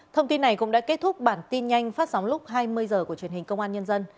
thông tin này cũng đã kết thúc bản tin nhanh phát sóng lúc hai mươi h của truyền hình công an nhân dân